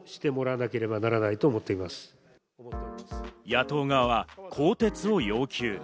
野党側は更迭を要求。